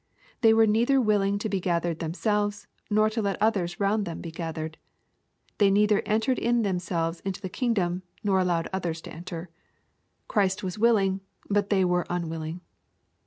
They were neither willing to be gathered themselves, nor to let others round them be gathered. They neither entered in themselves into the kingdom, nor allowed others to enter. Christ was willing, but they were unwilling.